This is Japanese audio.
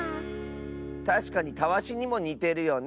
たしかにたわしにもにてるよね。